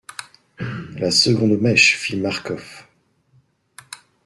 La seconde mèche ! fit Marcof.